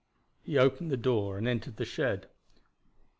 He opened the door and entered the shed.